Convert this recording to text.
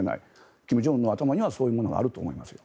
金正恩の頭にはそういうものがあると思います。